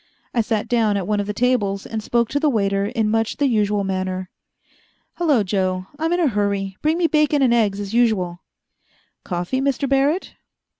I sat down at one of the tables, and spoke to the waiter in much the usual manner. "Hello, Joe. I'm in a hurry bring me bacon and eggs, as usual." "Coffee, Mr. Barrett?"